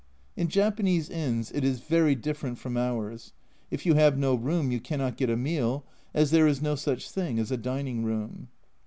In Japanese inns it is very different from ours ; if you have no room you cannot get a meal, as there is no such thing as a dining room.